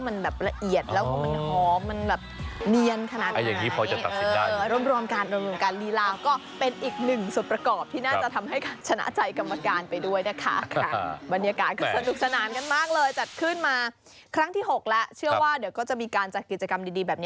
โอ้ยยะดมไม่ต้องจ่อตานะคะคุณยายมันแสบนะคะ